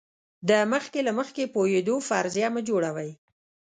د مخکې له مخکې پوهېدو فرضیه مه جوړوئ.